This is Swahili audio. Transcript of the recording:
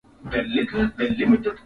Mimi nina vijana wawili